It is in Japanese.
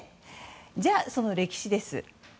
じゃあ、その歴史です。